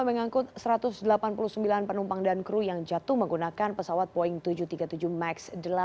mengangkut satu ratus delapan puluh sembilan penumpang dan kru yang jatuh menggunakan pesawat boeing tujuh ratus tiga puluh tujuh max delapan